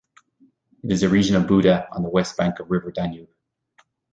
It is a region of Buda, on the west bank of river Danube.